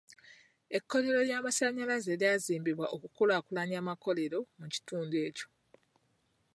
Ekkolero ly'amasannyalaze lyazimbibwa okukulaakulanya amakolero mu kitundu ekyo.